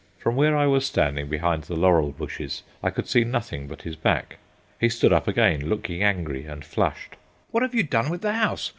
From where I was standing behind the laurel bushes I could see nothing but his back. He stood up again, looking angry and flushed. "What have you done with the house?